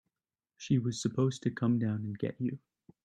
She was supposed to come down and get you.